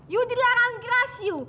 you dilarang keras you